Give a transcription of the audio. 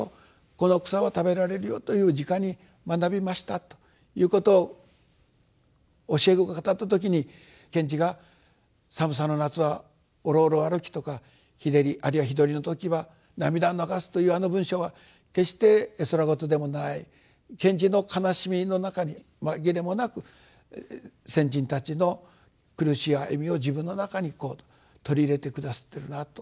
この草は食べられるよ」という「じかに学びました」ということを教え子が語った時に賢治が「寒さの夏はおろおろ歩き」とか「日照り」あるいは「独りのときは涙を流す」というあの文章は決して絵空事でもない賢治の哀しみの中にまぎれもなく先人たちの苦しい歩みを自分の中に取り入れて下さっているなと。